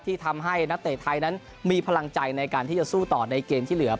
ที่ทำให้นักเตะไทยนั้นมีพลังใจในการที่จะสู้ต่อในเกมที่เหลือ